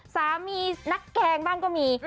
สามีนักแกงบ้างก็มี